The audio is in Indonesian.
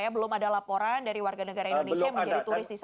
belum ada laporan dari warga negara indonesia yang menjadi turis di sana